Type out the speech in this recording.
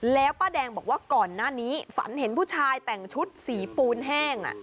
แล้วป้าแดงบอกว่าก่อนหน้านี้ฝันเห็นผู้ชายแต่งชุดสีปูนแห้ง